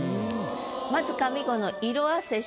まず上五の「色褪せし」